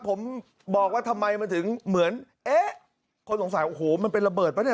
ผมบอกว่าทำไมมันถึงเหมือนเอ๊ะคนสงสัยโอ้โหมันเป็นระเบิดปะเนี่ย